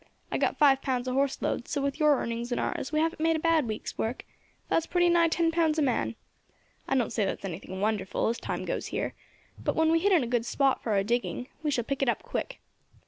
I got five pounds a horse load, so with your earnings and ours we haven't made a bad week's work; that's pretty nigh ten pounds a man. I don't say that's anything wonderful, as times goes here; but when we hit on a good spot for our digging, we shall pick it up quick.